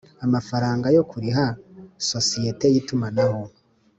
amafaranga yo kuriha sosiyete y’itumanaho,